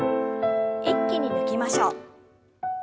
一気に抜きましょう。